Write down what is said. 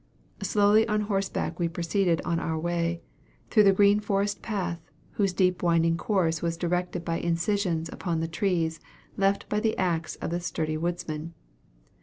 Slowly on horseback we proceeded on our way, through the green forest path, whose deep winding course was directed by incisions upon the trees left by the axe of the sturdy woodsman.